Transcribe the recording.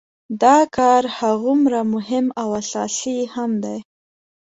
دا کار هماغومره مهم او اساسي هم دی.